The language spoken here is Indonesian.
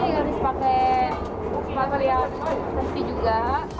jadi harus pakai makanan yang pasti juga